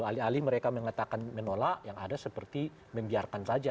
alih alih mereka mengatakan menolak yang ada seperti membiarkan saja